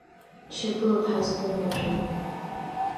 Шьапыла бҳазгом уажәы…